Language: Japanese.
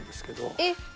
えっ？